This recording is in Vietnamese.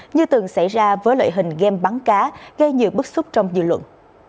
như từng xảy ra với lợi hình game bắn cá gây nhiều bức xúc trong dư luận